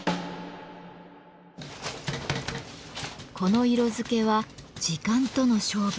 この色付けは時間との勝負。